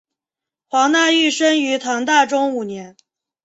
黄讷裕生于唐大中五年。